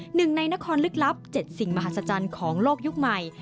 หนึ่งในนครลึกลับ๗สิ่งมหัศจรรย์ของโลกยุคใหม่